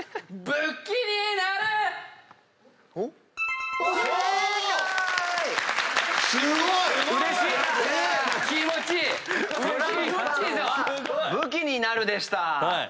「武器になる」でした。